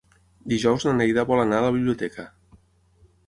Dijous na Neida vol anar a la biblioteca.